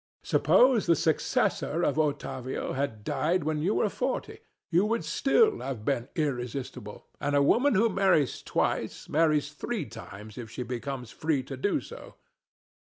Suppose the successor of Ottavio had died when you were forty, you would still have been irresistible; and a woman who marries twice marries three times if she becomes free to do so.